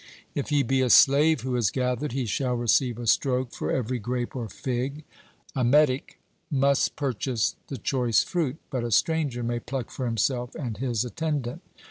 If he be a slave who has gathered, he shall receive a stroke for every grape or fig. A metic must purchase the choice fruit; but a stranger may pluck for himself and his attendant.